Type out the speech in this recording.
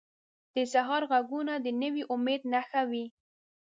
د سهار ږغونه د نوي امید نښه وي.